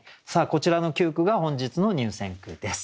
こちらの９句が本日の入選句です。